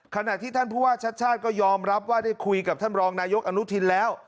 ขณะที่ท่านผู้ว่าชัดชาติก็ยอมรับว่าได้คุยกับท่านรองนายกอนุทินแล้ว